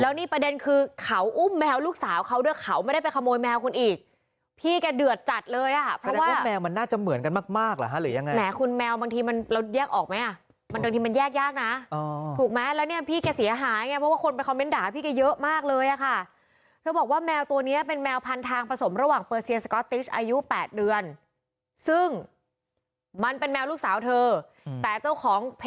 แล้วนี่ประเด็นคือเขาอุ้มแมวลูกสาวเขาด้วยเขาไม่ได้ไปขโมยแมวขวนอีก